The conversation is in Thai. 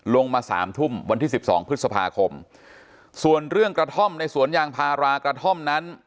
มาสามทุ่มวันที่สิบสองพฤษภาคมส่วนเรื่องกระท่อมในสวนยางพารากระท่อมนั้น